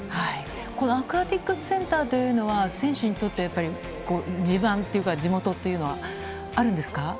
このアクアティクスセンターというのは、選手にとって、やっぱり地盤というか、地元というのはあるんですか。